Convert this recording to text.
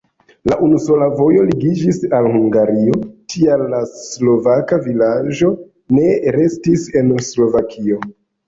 La unusola vojo ligiĝis al Hungario, tial la slovaka vilaĝo ne restis en Slovakio.